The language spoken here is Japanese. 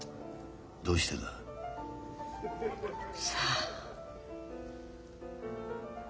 どうしてだ？さあ。